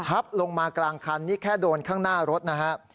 ลงมากลางคันนี่แค่โดนข้างหน้ารถนะฮะ